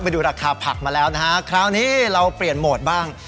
ไปดูราคาผักมาแล้วนะฮะคราวนี้เราเปลี่ยนโหมดบ้าง